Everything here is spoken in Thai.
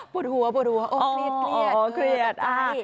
ปวดหัวปวดหัวอกเกลียดเครียด